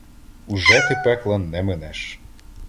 Уже ти пекла не минеш: